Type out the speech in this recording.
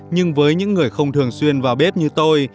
nhưng với những người không thường xuyên vào bếp như tôi